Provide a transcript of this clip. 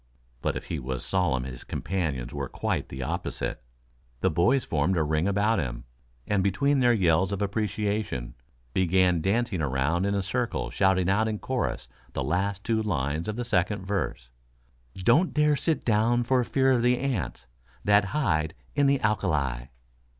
But if he was solemn his companions were quite the opposite. The boys formed a ring about him, and between their yells of appreciation, began dancing around in a circle shouting out in chorus the last two lines of the second verse: Don't dare sit down for fear of the ants That hide in the alka li.